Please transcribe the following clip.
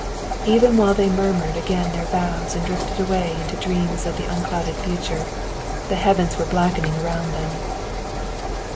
Even while they murmured again their vows and drifted away into dreams of the unclouded future, the heavens were blackening around them.